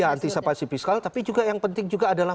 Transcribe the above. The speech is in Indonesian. ya antisipasi fiskal tapi juga yang penting juga adalah